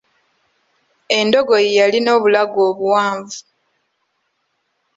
Endogoyi yalina obulago obuwanvu.